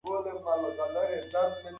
دا عقاید وروسته په اروپا کي ډیر مهم سول.